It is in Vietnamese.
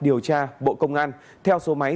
điều tra bộ công an theo số máy